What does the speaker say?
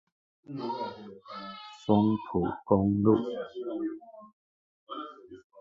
豐埔公路